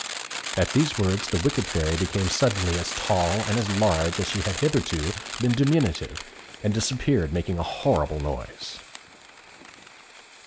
At these words the wicked Fairy became suddenly as tall and as large as she had hitherto been diminutive, and disappeared making a horrible noise.